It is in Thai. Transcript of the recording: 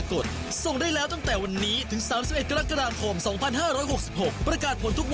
ช่วงนี้เรากลับไปติดตามความสนุก